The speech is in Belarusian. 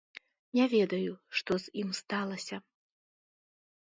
Не ведаю, што з ім сталася.